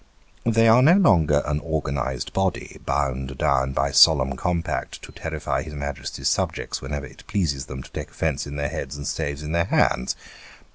They are no longer an organised body, bound down by solemn compact to terrify his Majesty's 1 62 Sketches by Bos. subjects whenever it pleases them to take offence in their heads and staves in their hands.